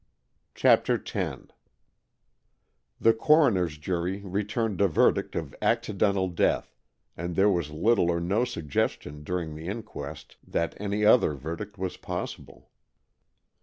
CHAPTER X The coroner's jury returned a verdict of Accidental Death, and there was little or no suggestion during the inquest that any other verdict was possible.